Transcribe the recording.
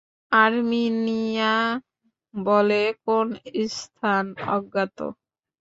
আরমিনীয়া বলে কোন স্থান অজ্ঞাত।